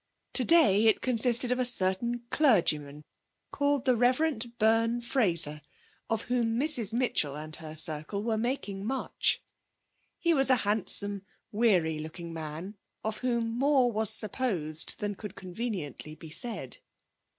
Today it consisted of a certain clergyman, called the Rev. Byrne Fraser, of whom Mrs Mitchell and her circle were making much. He was a handsome, weary looking man of whom more was supposed than could conveniently be said.